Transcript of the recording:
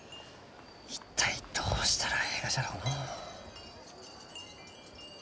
一体どうしたらえいがじゃろうのう？